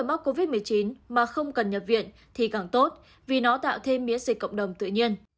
mắc covid một mươi chín mà không cần nhập viện thì càng tốt vì nó tạo thêm miễn dịch cộng đồng tự nhiên